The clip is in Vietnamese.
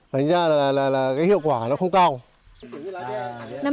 thành ra là cái hiệu quả nó không cao